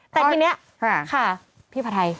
แต่ทีนี้ค่ะพี่ภาทัย